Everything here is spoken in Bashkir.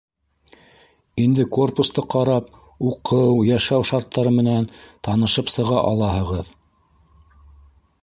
Инде корпусты ҡарап, уҡыу, йәшәү шарттары менән танышып сыға алаһығыҙ.